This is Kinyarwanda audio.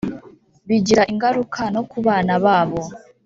Bigira ingaruka no ku bana babo